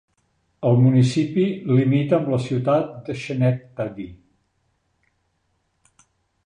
El municipi limita amb la ciutat d'Schenectady.